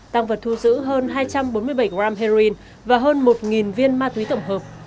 tăng vật thu giữ hơn hai trăm bốn mươi bảy gram heroin và hơn một viên ma túy tổng hợp